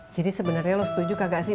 jadi sebenernya lo setuju kagak sih